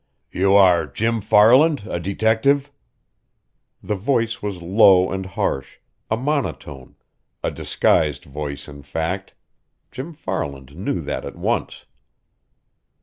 "You are Jim Farland, a detective?" The voice was low and harsh, a monotone, a disguised voice in fact. Jim Farland knew that at once.